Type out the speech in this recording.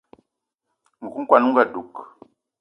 Nku kwan on ga dug